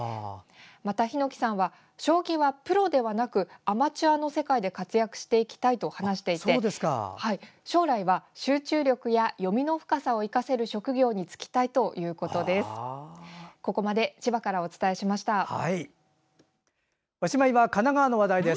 また檜さんは将棋はプロではなくアマチュアの世界で活躍していきたいと話していて将来は集中力や読みの深さを生かせる職業に就きたいということです。